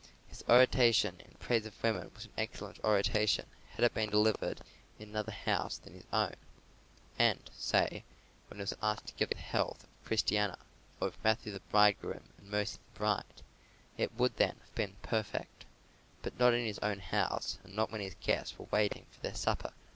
His oration in praise of women was an excellent oration, had it been delivered in another house than his own; and, say, when he was asked to give the health of Christiana, or of Matthew the bridegroom and Mercy the bride, it would then have been perfect; but not in his own house, and not when his guests were waiting for their supper.